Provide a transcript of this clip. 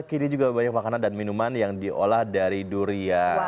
kini juga banyak makanan dan minuman yang diolah dari durian